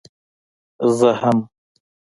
زه هم.